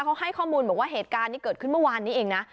เขาให้ข้อมูลบอกว่าเหตุการณ์นี้เกิดขึ้นเมื่อวานนี้เองนะ